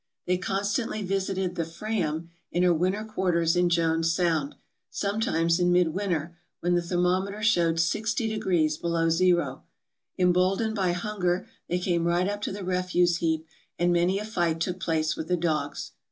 They constantly visited the "Fram" in her winter quarters in Jones Sound, sometimes in midwinter, when the thermometer showed 6o° below zero. Emboldened by hunger they came right up to the refuse heap, and many a fight took place with the dogs.